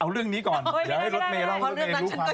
เอาเรื่องนี้ก่อนเดี๋ยวให้รถเมล์ร่องรถเมล์รู้ความลับ